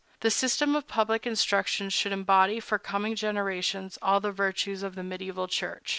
The system of public instruction should embody for coming generations all the virtues of the mediæval church.